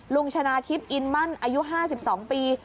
ลุงชนะทิพย์อินมั่นอายุ๕๒ปี